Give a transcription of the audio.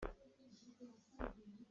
Kan i pumh lioah an kan kah.